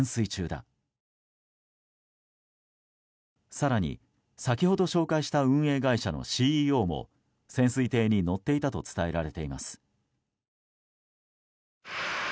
更に、先ほど紹介した運営会社のＣＥＯも潜水艇に乗っていたと伝えられています。